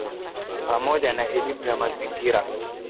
pamoja na elimu ya mazingira